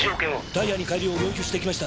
ダイヤに換えるよう要求してきました！